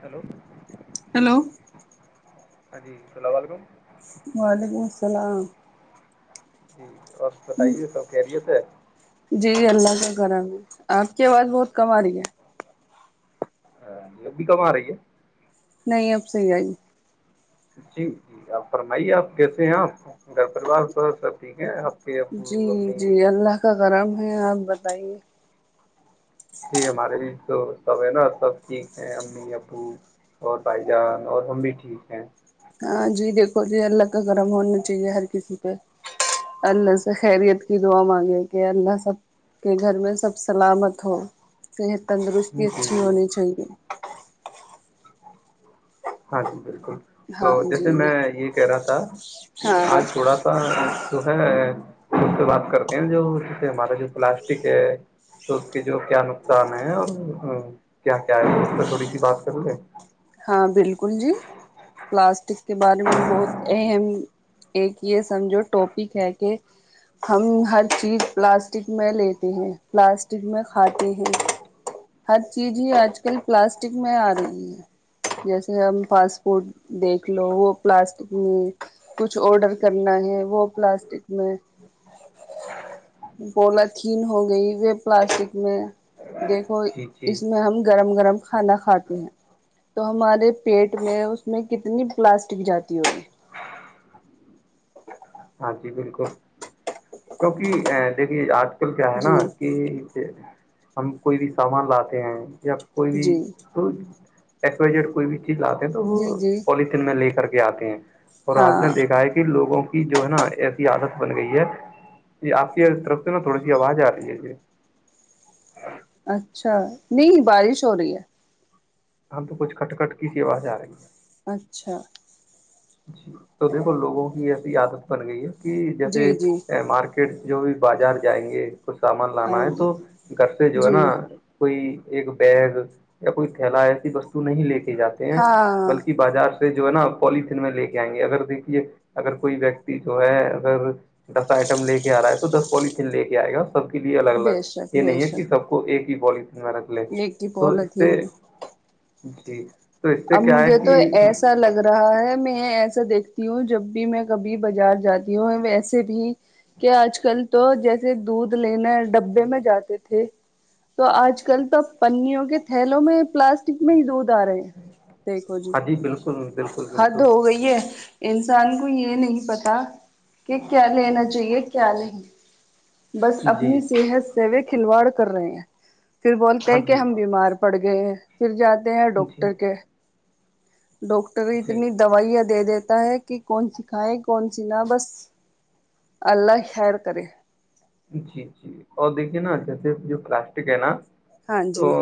hello hello ہاں جی اللام ولیکم [unintelligible] وعلیکم السلام جی اور بتائیے سب کیریت ہے [unintelligible] جی اللہ کا کرا آپ کی آواز بہت کم آ رہی ہے [unintelligible] ہاں یہ بھی کم آ رہی ہے [unintelligible] نہیں اب صحیح ہےئی جی جی آپ فرمائیے آپ کیسے ہیں آپ گھر پریوار سب ٹھیک ہیں آپ کے ابو جی امی جی اللہ کا کرم ہے آپ بتائیے جی ہمارے بھی تو سب ہے نا سب ٹھیک ہے امی ابو اور بھائی جان اور ہم بھی ٹھیک ہیں ہاں جی دیکھو جی اللہ کا گرم ہونا چاہیے ہر کسی پہ اللہ سے خیریت کی دعا مانگے کہ اللہ سب کہ گھر میں سب سلامت ہو ص یہ تندرستی جی اچھی جی ہونی چاہیے ہاں جی بالکل تو ہاں جی جیسے میں دیکھ یہ کہہ رہا تھا کہ ہاں آج تھوڑا جو ہے اس سے بات کرتے ہیں جو جیے ہمارا جو پلاسٹک ہے تو اس کے جو کیا نقصان ہے اور کیا کیا ہے اس پہ تھوڑی سی بات کر لے ہاں بالکل جی پلاسٹک کے بارے میں بہت اہم ایک یہ سمجھو ٹاپک ہے کہ ہم ہر چیز پلاسٹک میں لیتے ہیں پلاسٹک میں کھاتے ہیں ہر چیز ہی آج کل پلاسٹک میں آ رہی ہے جیسے ہم فاسٹ فوڈ دیکھ لو وہ پلاسٹک میں کچھ آڈر کرنا ہے وہ پلاسٹک میں بولاتھیین ہو گئی و پلاسٹک میں دیکھو جی جی اس میں ہم گرم گرم کھانا کھاتے ہیں تو ہمارے پیٹ میں اس میں کتنی پلاسٹک جاتی ہوگی ہاں جی بالکل کیونکہ ا دیکھیے آج کیا ہے نا جی کہ ہم کوئی بھی سامان لاتے ہیں یا کوئی بھی جی تو کوئی بھی چیز لاتے ہیں تو جی وہ جی پولیتھین میں لے کر کے آتے ہیں اور آپ ہاں نے دیکھا ہے کہ لوگوں کی جو ہے نا ایسی عادت بن گئی ہے یہ آپ کی طرف سے نا تھوڑی سی آواز آ رہی ہے جی ا [unintelligible] اچھا نہیں بارش ہو رہی ہے ہم تو کچھ کٹ کٹ کی سیوا جا رہی ہے اچھا جی تو دیکھو لوگوں کی ایسی عادت بن گئی ہے کہ جی جی جیسے مارکیٹ جو بھی بازار جائیں گے کچھ سامان ہاں لانا ہے جی تو گھر سے جو ہے نا جی کوئی ایک بیگ یا کوئی تھیلا ایسی وستو نہیں لے کے جاتے ہیں ہاں بلکہ بازار سے جو ہے نا پولیتن میں لے کے آئیں گے اگر دیکھیے اگر کوئی ویکتی جو ہے اگر دس آئٹم لے کے آ رہا ہے تو دس پولیتھیین لے کے آئے گا سب کے لیے الگ الگ بے شک یہ بے نہیں ہے کہ شک سب کو ایک ہی بال تین میں رن لے ایک ہی تو اس پولیتھیین سے میں جی تو اس سے اب کیا ہے مجھے تو کہ ایسا لگ رہا رہا ہے میں ایسا دیکھتی ہوں جب بھی میں کبھی بازار جاتی ہوں ویسے بھی کہ آج کل تو جیسے دودھ لینےا ڈبے میں جاتے تھے تو آج کل تو پنیوں کے تھیلوں میں پلاسٹک میں ہی دودھ آ رہے ہیں دیکھو جی ہاں بالکل بالکل حد بالکل ہو گئی ہے انسان کو یہ نہیں پتا کہ کیا لینا چاہیے کیا نہیں بس جی اپنی صحت سے بھی کھلواڑ کر رہے ہیں پھر بولتے ہاں ہیں کہ جی ہم بیمار پڑ گئے ہیں پھر جاتے ہیں جی ڈاکٹر کے ڈاکٹر جی اتنی دوائیاں دے دیتا ہے کہ کون سی کھائے کون سی نہ بس اللہ خیر کرے جی جی اور دیکھیے نا جیسے جو پلاسٹک ہے نا ہاں تو جی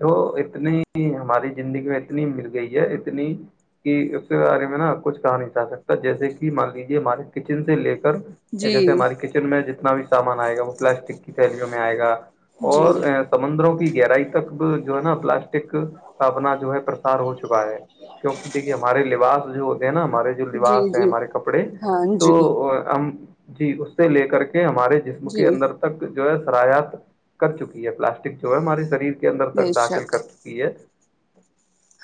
وہ اتنی ہماری زندگی میں اتنی مل گئی ہے اتنی کہ اس کے بارے میں نا کچھ کہا نہیں چاہ سکتا جیسے کہ مان لیجے ہمارے کچن سے لے کر جی جیسے ہماراری کچن میں جتنا بھی سامان آئے گا وہ پلاسٹک کی تھیلیوں میں آئے گا جی اور سمندروں کی گہرائی تک جو ہے نا پلاسٹک کا اپنا جو ہے پرسار ہو چکا ہے کیونکہ دیکھیے ہمارے لباس جو ہوتے ہیں نا ہمارے جو جی لبس ہے جی ہمارے کپڑے ہاں تو جی ہم جی اس سے لے کر کے ہمارے جسم کے جی اندر تک جو ہے سرات کر چکی ہے پلاسٹک جو ہے ہمارے شریر کے اندر بے تک داخل شک کرک یہ ہے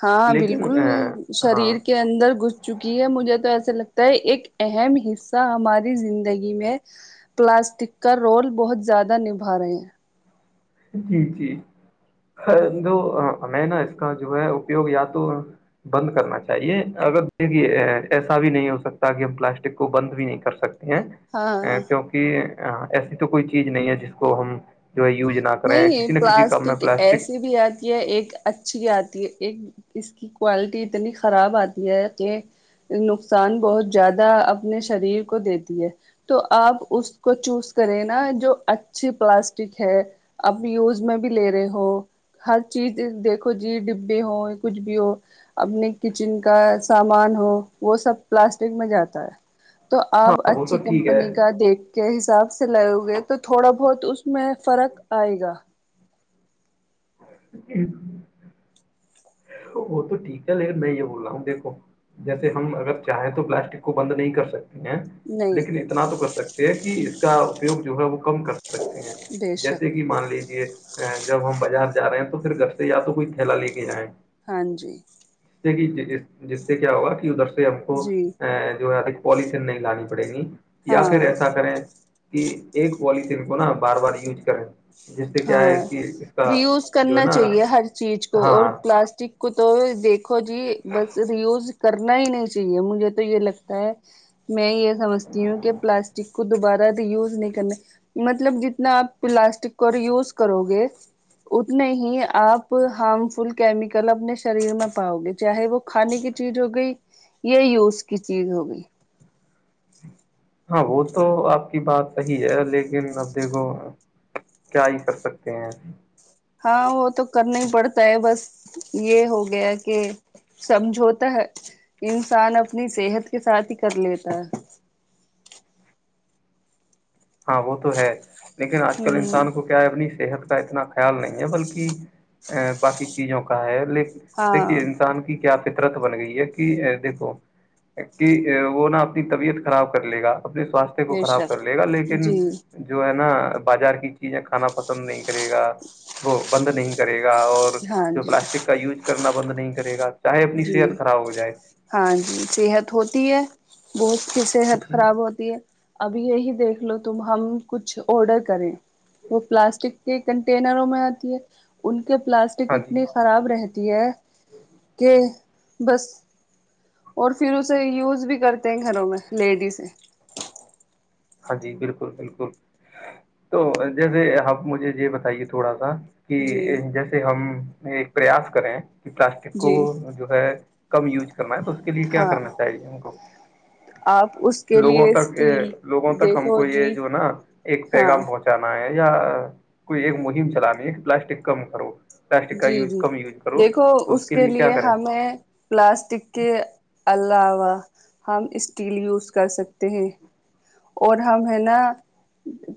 ہاں لیکن بالکل ہاں شریر کے اندر گ چکی ہے مجھے تو ایسا لگتا ہے ایک اہم حصہ ہماری زندگی میں پلاسٹک کا رول بہت زیادہ نبھا رہے ہیں جی جی جو ہمیں نا اس کا جو ہے اپیوگ یا تو بند کرنا چاہیے اگر دیکے ایسا بھی نہیں ہو سکتا کہ ہم پلاسٹک کو بند بھی نہیں کر سکتے ہیں ہاں کیونکہ ایسی تو کوئی چیز نہیں ہے جس کو ہم جو ہے یوج نہ کر نہیں پلاسٹک ایسی بھی آتی ہے ایک اچھی آتی ہے ایک اس کی کوالٹی اتنی خراب آتی ہے کہ نقصان بہت زیادہ اپنے شریر کو دیتی ہے تو آپ اس کو چوز کریں نا جو اچھی پلاسٹک ہے اب یوز میں بھی لے رہے ہو ہر چیز دیکھو جی ڈبے ہووں کچھ بھی ہو اپنے کچن کا سامان ہو وہ سب پلاسٹک میں جاتا ہے تو آپ ہاں وہ تو اچھی ٹھیک کمپنی کا ہے دیکھ کے حساب سے ل ہو گئے تو تھوڑا بہت اس میں فرق آئے گا ہ وہ تو ٹھیک ہے لیکن میں یہ بول رہا ہوں دیکھو جیسے ہم اگر چاہیں تو پلاسٹک کو بند نہیں کر سکتے ہیں نہیں لیکن اتنا تو کر سکتے ہیں کہ اس کا اپیوگ جو ہے وہ کم کر سکتے سکتے ہیں بے شک جیسے کہ مان لیجیے جب ہم بازار جا رہے ہیں تو پھر گھر سے یا تو کوئی تھیلا لے کے جائیں ہاں جی ج سے کہ جس سے کیا ہوگا کہ ادھر سے ہم کو جی ا جو ہے پولیتن نہیں لانی پڑے گی یا پھر ہاں ایسا کریں کہ ایک پوالتین کو نا بار بار یوز کریں جس سے کیا ہے ہاں کہ اس کا ری یوز جو کرنا نا چاہیے ہر چیز کو ہاں اور پلاسٹک کو تو دیکھو جی بس ریوز کرنا ہی نہیں چاہیے مجھے تو یہ لگتا ہے میں یہ سمجھتی ہوں کہ پلاسٹک کو دوبارہ یوز نہیں کرنے مطلب جتنا آپ پلاسٹک کو یوز کرو گے اتنے ہی آپ ہارم فل کیمیکل اپنے شریر میں پاؤ گے چاہے وہ کھانے کی چیز ہو گئی یا یوس کی چیز ہوگئی ہاں وہ تو آپ کی بات صحیح ہے لیکن اب دیکھو کیا ہی کر سکتے ہیں ہاں وہ تو کرنا ہی پڑتا ہے بس یہ ہو گیا کہ سمجھوتا ہے انسان اپنی صحت کے ساتھ ہی کر لیتا ہے ہاں وہ تو ہے لیکن آج کل ہوں انسان کو اپنی صحت کا اتنا خیال نہیں ہے بلکہ ا باقی چیزوں کا ہے لیکن ہاں دیکھیے انسان کی کیا فطرت بن گئی ہے کہ دیکھو کہ وہ نا اپنی طبیعت خراب کر لے گا اپنے سواستھ کو بے خراب شک کر لے گا لیکن جی جو ہے نا بازار کی چیزیں کھانا پسند نہیں کرے گا وہ بند نہیں کرے گا اور ہاں جو جی پلاسٹک کا یوز کرنا بند نہیں کرے گا چاہے اپنی جی صحت خراب ہو جائے ہاں جی صحت ہوتی ہے بہت کی صحت جی خراب ہوتی ہے اب یہی دیکھ لو تم ہم کچھ آڈر کریں وہ پلاسٹک کے کنٹینروں میں آتی ہے ان کے پلاسٹک ہاں اتنی خراب رہتی ہے جی کہ بس اور پھر اسے یوز بھی کرتے ہیں گھروں میں لیڈیزیں ہاں جی بالکل بالکل تو جیسے آپ مجھے یہ بتائیے تھوڑا سا کہ جی جیسے ہم ایک پریاس کریں کہ پلاسٹک کو جی جو ہے کم یوز کرنا ہے تو اس کے لیے کیا ہاں کرنا چاہیے ہم کو آپ اس کے لوگوں لیے تک اسٹیل لوگوں تک ہم دیکھو کو یہ جی جو نا ایک ہاں پیغام پہنچا جانا ہے یا کوئی ایک مہم چلانی ہے پلاسٹک کم کرو پلاسٹک کا جی یوز جی کم یوز کرو دیکھو تو اس کے کیا لیے کریں ہمیں پلاسٹک کے علاوہ ہم اسٹیل یوز کر سکتے ہیں اور ہم ہے نا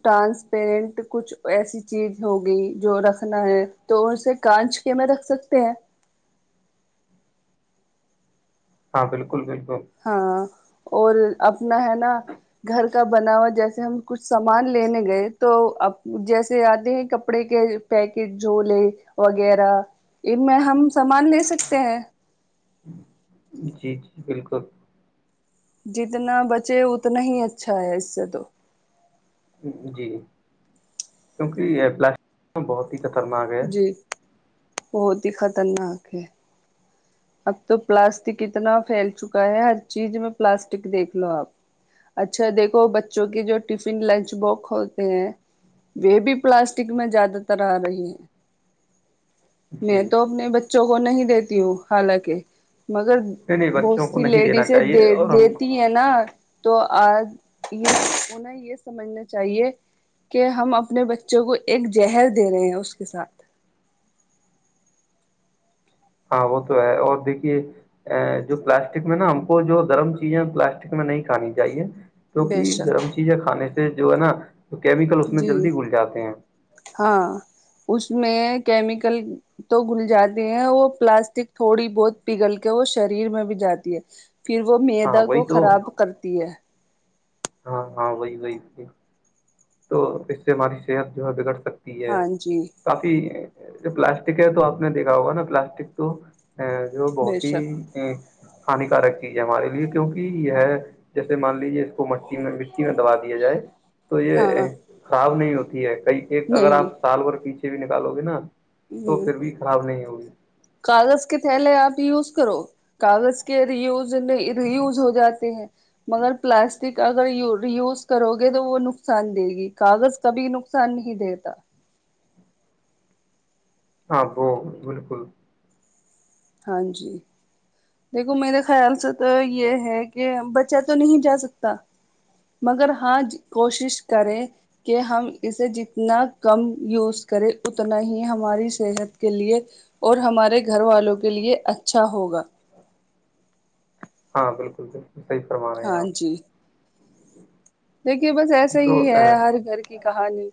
ٹرانسپیرنٹ کچھ ایسی چیز ہوگئی جو رکھنا ہے تو اس سے کانچ کے میں رکھ سکتے ہیں ہاں بالکل بالکل ہاں اور اپنا ہے نا گھر کا بنا ہوا جیسے ہم کچھ سامان لینے گئے تو جیسے آتے ہیں کپڑے کے پیکٹ جھولے وغیرہ ان میں ہم سامان لے سکتے ہیں جی جی بالکل جتنا بچے اتنا ہی اچھا ہے اس سے تو جی کیونکہ پلاسٹ بہت خطرناک ہے جی بہت ہی خطرناک ہے اب تو پلاسٹک اتنا پھیل چکا ہے ہر چیز میں پلاسٹک دیکھ لو آپ اچھا دیکھو بچوں کے جو ٹفن لنچ بکس ہوتے ہیں وہ بھی پلاسٹک میں زیادہ تر آ رہی ہے میں جی تو اپنے بچوں کو نہیں دیتی ہوں حالانکہ مگر نہیں نہیں بہت بچوں کو سی نہیں دینا لیڈیزیں دے چاہیے اور ہم دیتی ہے نا تو آج یہ انہیں یہ سمجھنا چاہیے کہ ہم اپنے بچوں کو ایک زہر دے رہے ہیں اس کے ساتھ ہاں وہ تو ہے اور دیکھیے جو پلاسٹک میں نا ہم کو جو گرم چیزیں پلاسٹک میں نہیں کھانی چاہیے بے کیونکہ شک گرم چیزیں کھانے سے جو ہے نا کیمیکل اس میں جی جلدی گل جاتے ہیں ہاں اس میں کیمیکل تو گھل جاتی ہیں وہ پلاسٹک تھوڑی بہت پگل کے وہ شریر میں بھی جاتی ہے پھر وہ ہاں معیدا وہی کو تو خراب کرتی ہے ہاں ہاں وہی وہی ت تو اس سے ہماری صحت جو ہے بگڑ سکتی ہے ہاں جی کافی پلاسٹک ہے تو آپ نے دیکھا ہوگا نا پلاسٹک تو ا جو بے بہت شک ہی ہانیکارک چیز ہے ہمارے لیے کیونک یہ جیسے مان لیجیے اس کو م مٹی میں دبا دیا جائے تو یہ ہاں خراب نہیں ہوتی ہے کئی ایک اگر نہیں آپ سال ب پیچھے بھی نکالو گے نا تو ہ پھر بھی خراب نہیں ہوگی کاغذ کے تھیلے آپ یوز کرو کاغذ کے ریوز میں ریوز ہو جاتے ہیں مگر پلاسٹک اگر یوز کرو گے تو وہ نقصان دے گی کاغذ کا بھیھی نقان سن ہی دیکتا ہاں بالکل ہاں جی دیکھو میرے خیال سے تو یہ ہے کہ بچہ تو نہیں جا سکتا مگر ہاں کوشش کر کہ ہم اسے جتنا کم یوز کریں اتنا ہی ہماری صحت کے لیے اور ہمارے گھر والوں کے لیے اچھا ہوگا ہاں بالکل بالکل صحیح فرما رہے ہیں ہاں آپ جی دیکھیے بس ایسے ہی ہے تو ہر گھر کی کہانی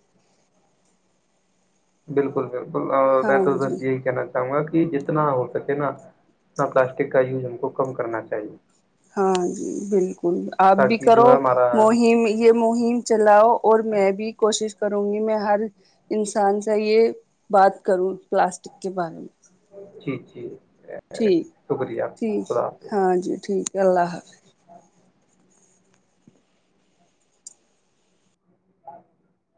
بالکل بالکل میں ہاں تو جی بس یہی کہنا چاہوں چوں گا کہ جتنا ہو سکے نا اتنا پلاسٹک کا یوز ہم کو کم کرنا چاہیے ہاں جی بالکل آپ بھی تاکہ جو کرو ہے ہمارا مہم یہ مہم چلاؤ اور میں بھی کوشش کروں گی میں ہر انسان سے یہ بات کروں پلاسٹک کے بارے میں جی جی ٹھیک شکریہ، ٹھیک خدا حافظ ہاں جی ٹھیک ہے اللہ حافظ اچ [unintelligible]